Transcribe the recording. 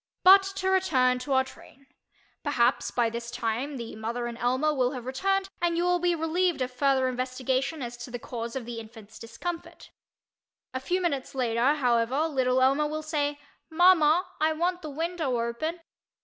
But to return to our train. Perhaps by this time the mother and Elmer will have returned and you will be relieved of further investigation as to the cause of the infant's discomfort. A few minutes later, however, little Elmer will say "Mama, I want the window open."